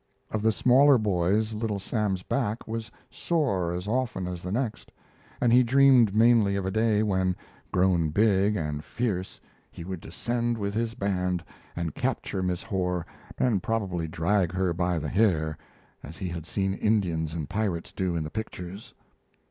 Of the smaller boys Little Sam's back was sore as often as the next, and he dreamed mainly of a day when, grown big and fierce, he would descend with his band and capture Miss Horr and probably drag her by the hair, as he had seen Indians and pirates do in the pictures.